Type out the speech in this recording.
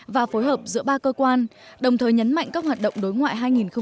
và phối hợp giữa ba cơ quan đồng thời nhấn mạnh các hoạt động đối ngoại hai nghìn hai mươi